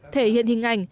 thể hiện hình ảnh